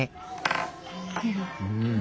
うん。